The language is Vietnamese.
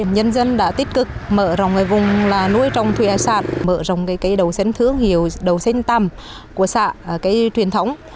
nhân dân đã tích cực mở rộng người vùng là nuôi trong thuyền sản mở rộng cái đầu xến thướng hiểu đầu xến tầm của xã cái truyền thống